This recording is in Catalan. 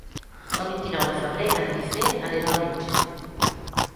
El vint-i-nou de febrer en Guifré anirà al metge.